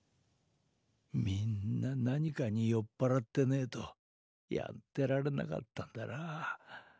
みんな何かに酔っ払ってねぇとやってられなかったんだな。